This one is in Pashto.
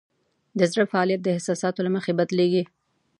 د زړه فعالیت د احساساتو له مخې بدلېږي.